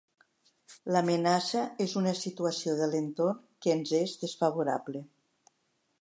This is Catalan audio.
L'amenaça és una situació de l'entorn que ens és desfavorable.